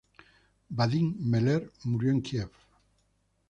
Vadim Meller murió en Kiev.